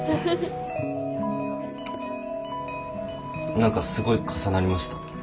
何かすごい重なりました。